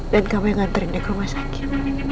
dan kamu yang nganterin dia ke rumah sakit